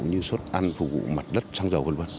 như xuất ăn phục vụ mặt đất xăng dầu v v